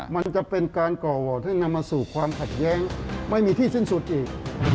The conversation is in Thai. มันจะเป็นการก่อโหวตให้นำมาสู่ความขัดแย้งไม่มีที่สิ้นสุดอีก